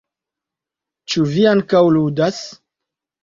Ĉu vi ankaŭ ludas?